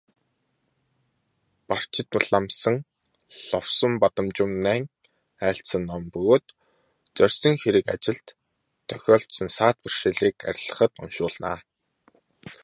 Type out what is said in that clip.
Барчидламсэл нь Ловонбадамжунайн айлдсан ном бөгөөд зорьсон хэрэг ажилд тохиолдсон саад бэрхшээлийг арилгахад уншуулна.